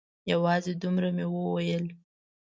یوازې دومره مې وویل.